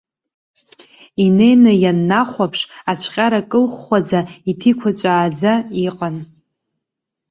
Инеины ианнахәаԥш, ацәҟьара кылхәхәаӡа, иҭиқәаҵәааӡа иҟан.